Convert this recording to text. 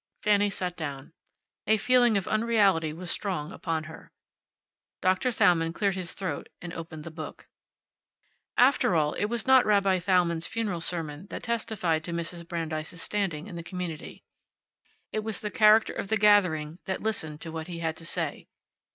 Fanny sat down. A feeling of unreality was strong upon her. Doctor Thalmann cleared his throat and opened the book. After all, it was not Rabbi Thalmann's funeral sermon that testified to Mrs. Brandeis's standing in the community. It was the character of the gathering that listened to what he had to say.